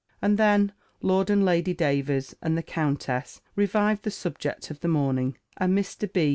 And then Lord and Lady Davers, and the countess, revived the subject of the morning; and Mr. B.